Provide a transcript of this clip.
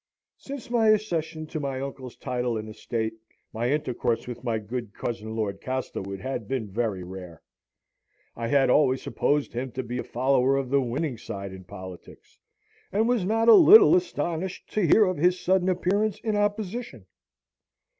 Since my accession to my uncle's title and estate my intercourse with my good cousin Lord Castlewood had been very rare. I had always supposed him to be a follower of the winning side in politics, and was not a little astonished to hear of his sudden appearance in opposition.